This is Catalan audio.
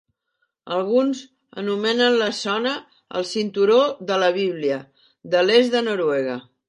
Alguns anomenen la zona "el cinturó de la bíblia" de l'est de Noruega.